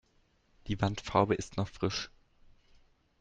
Die Wandfarbe ist noch frisch.